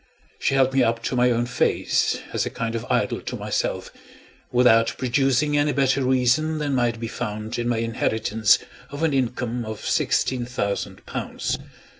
She held me up to my own face, as a kind of idol to myself, without producing any better reason than might be found in my inheritance of an income of sixteen thousand pounds.